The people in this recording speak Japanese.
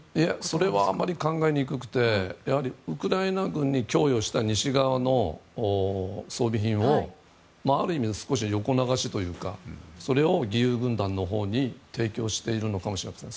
それはあまり考えにくくてやはりウクライナ軍に供与した西側の装備品をある意味、少し横流しというかそれを義勇軍団のほうに提供しているのかもしれません。